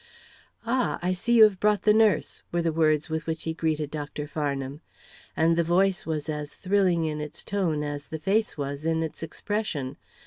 "Ah, I see you have brought the nurse," were the words with which he greeted Dr. Farnham. And the voice was as thrilling in its tone as the face was in its expression.